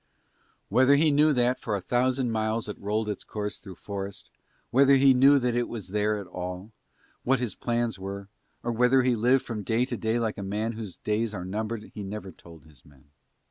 Whether he knew that for a thousand miles it rolled its course through forest, whether he even knew that it was there at all; what his plans were, or whether he lived from day to day like a man whose days are numbered he never told his men.